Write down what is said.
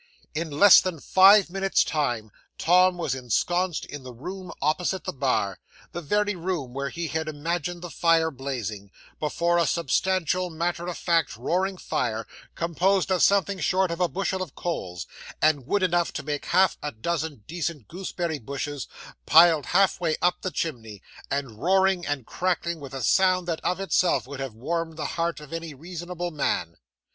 'In less than five minutes' time, Tom was ensconced in the room opposite the bar the very room where he had imagined the fire blazing before a substantial, matter of fact, roaring fire, composed of something short of a bushel of coals, and wood enough to make half a dozen decent gooseberry bushes, piled half way up the chimney, and roaring and crackling with a sound that of itself would have warmed the heart of any reasonable man.